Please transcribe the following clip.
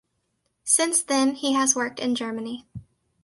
Since then he has worked in Germany.